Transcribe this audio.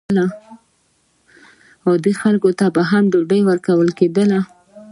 عادي خلکو ته به هم ډوډۍ ورکول کېده.